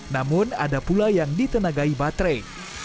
namun ada pula yang ditenagai baterai